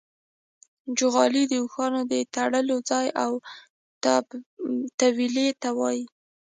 چوغالی د اوښانو د تړلو ځای او تویلې ته وايي.